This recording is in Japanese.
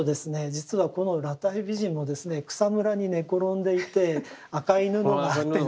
実はこの「裸体美人」も草むらに寝転んでいて赤い布があってですね。